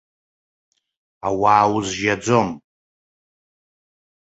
Ауаа узжьаӡом.